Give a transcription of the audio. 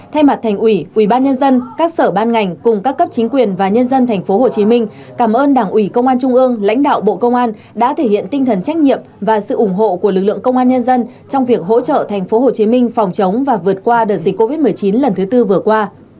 thay mặt thành ủy ubnd các sở ban ngành cùng các cấp chính quyền và nhân dân tp hcm cảm ơn đảng ủy công an trung ương lãnh đạo bộ công an đã thể hiện tinh thần trách nhiệm và sự ủng hộ của lực lượng công an nhân dân trong việc hỗ trợ tp hcm phòng chống và vượt qua đợt dịch covid một mươi chín lần thứ tư vừa qua